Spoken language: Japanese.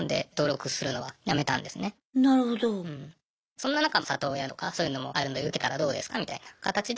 そんな中里親とかそういうのもあるんで受けたらどうですかみたいな形で。